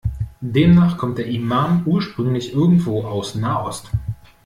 Demnach kommt der Imam ursprünglich irgendwo aus Nahost.